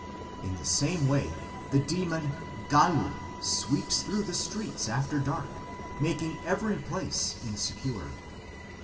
In the same way the demon Gallu sweeps through the streets after dark, making every place insecure.